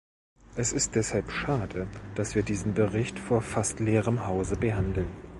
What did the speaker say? Es ist deshalb schade, dass wir diesen Bericht vor fast leerem Hause behandeln.